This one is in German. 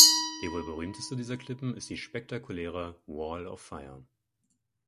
Die wohl berühmteste dieser Klippen ist die spektakuläre „Wall of Fire“.